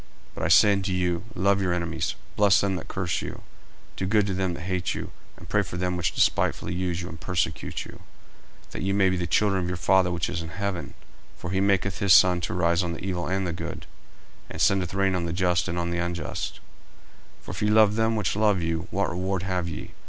40:005:044 But I say unto you, Love your enemies, bless them that curse you, do good to them that hate you, and pray for them which despitefully use you, and persecute you; 40:005:045 That ye may be the children of your Father which is in heaven: for he maketh his sun to rise on the evil and on the good, and sendeth rain on the just and on the unjust. 40:005:046 For if ye love them which love you, what reward have ye?